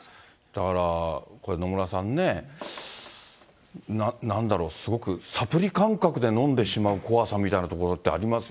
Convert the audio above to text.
だからこれ、野村さんね、なんだろう、すごくサプリ感覚で飲んでしまう怖さみたいなところってあります